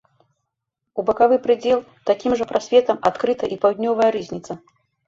У бакавы прыдзел такім жа прасветам адкрыта і паўднёвая рызніца.